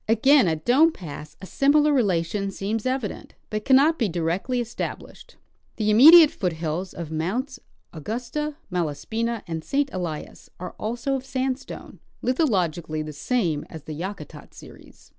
Again at Dome pass a similar relation seems evident, but cannot be directly established. The imme diate foothills of Mounts Augusta, Malaspina, and St. Elias are also of sandstone, lithologically the same as the Yakutat series.